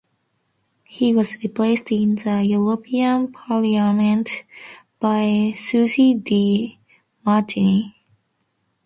He was replaced in the European Parliament by Susy De Martini.